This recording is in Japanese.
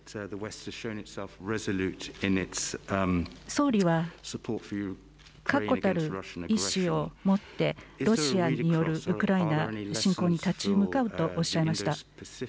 総理は、確固たる意思を持ってロシアによるウクライナ侵攻に立ち向かうとおっしゃいました。